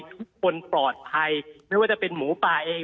ทุกคนปลอดภัยไม่ว่าจะเป็นหมูป่าเอง